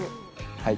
はい。